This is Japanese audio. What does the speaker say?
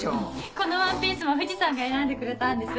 このワンピースも藤さんが選んでくれたんです。